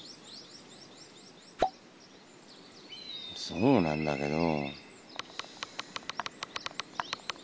そうなんだけど。